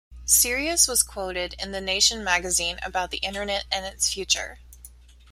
Sirius was quoted in "The Nation" magazine about the internet and its future.